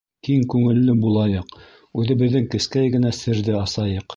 Киң күңелле булайыҡ, Үҙебеҙҙең кескәй генә серҙе асайыҡ.